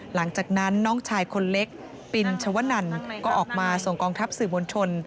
หลังจากนั้นน้องชายคนเล็กปินชวนันก็ออกมาส่งกองทัพสื่อมวลชน